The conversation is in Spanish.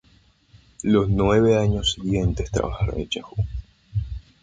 Los nueve años siguientes trabajaron en Yahoo.